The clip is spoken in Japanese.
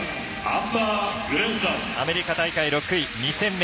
アメリカ大会６位、２戦目